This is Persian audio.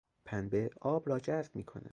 پنبه آب را جذب میکند.